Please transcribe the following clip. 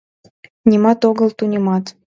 Нимат огыл, тунемат.